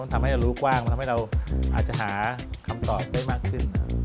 ทำให้เรารู้กว้างทำให้เราอาจจะหาคำตอบได้มากขึ้น